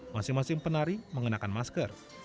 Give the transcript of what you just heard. masing masing penari mengenakan masker